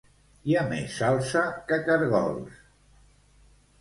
Hi ha més salsa que cargols